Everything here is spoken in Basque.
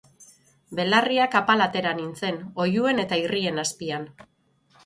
Belarriak apal atera nintzen, oihuen eta irrien azpian.